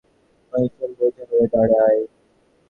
এই টাকা বেকারদের কাছে পাহাড়সম বোঝা হয়ে দাঁড়ায়।